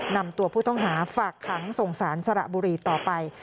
นำตัวผู้ต้องหาฝากขังส่งสารสระบุรีต่อไป